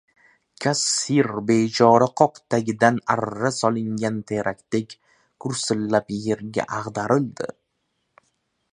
Kassir bechora qoq tagidan arra solingan terakdek gursillab yerga ag‘darildi.